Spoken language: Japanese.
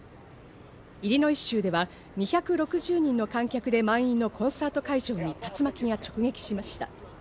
イリノイ州では２６０人の観客で満員のコンサート会場に竜巻が直撃しました。